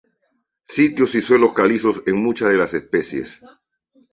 Sitios y suelos calizos en muchas de las especies.